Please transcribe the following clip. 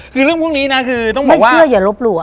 คือเรื่องพวกนี้นะคือต้องบอกว่าเชื่ออย่าลบหลู่